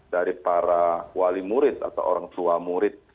dari para wali murid atau orang tua murid